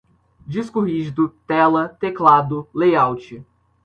disco rígido, tela, teclado, layout